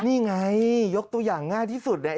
นี่ไงยกตัวอย่างง่ายที่สุดเนี่ย